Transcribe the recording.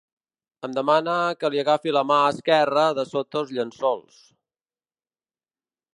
Em demana que li agafi la mà esquerra de sota els llençols.